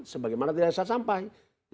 sebagaimana tidak bisa disampaikan